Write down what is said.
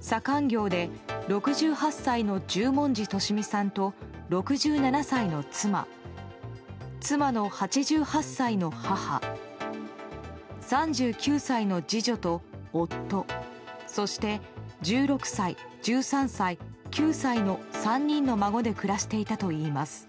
左官業で６８歳の十文字利美さんと６７歳の妻、妻の８８歳の母３９歳の次女と夫そして１６歳、１３歳、９歳の３人の孫で暮らしていたといいます。